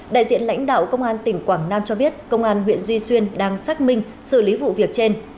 đại diện lãnh đạo công an tỉnh quảng nam cho biết công an huyện duy xuyên đang xác minh xử lý vụ việc trên